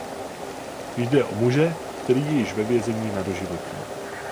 Jde o muže, který je již ve vězení na doživotí.